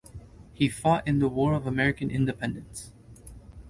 He fought in the War of American Independence.